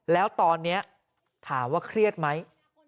แล้วตอนนี้ถามว่าเครียดไหม